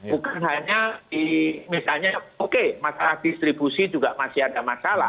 bukan hanya di misalnya oke masalah distribusi juga masih ada masalah